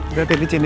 udah pelicin ya